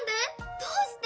どうして？